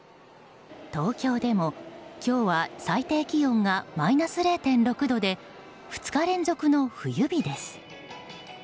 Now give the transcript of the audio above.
東京でも今日は最低気温がマイナス０．６度で２日連続の冬日です。